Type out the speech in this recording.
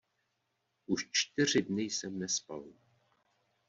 Už čtyři dny jsem nespal.